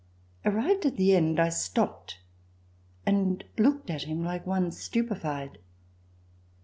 Arrived at the end, I stopped and looked at him like one stupe fied.